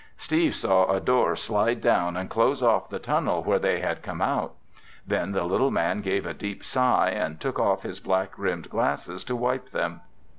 Steve saw a door slide down and close off the tunnel where they had come out. Then the little man gave a deep sigh and took off his black rimmed glasses to wipe them.